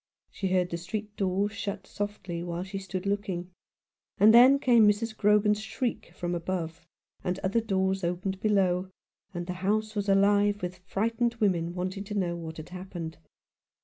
She heard the street door shut softly while she stood looking ; and then came Mrs. Grogan's shriek from above, and other doors opened below, and the house was alive with frightened women wanting to know what had happened.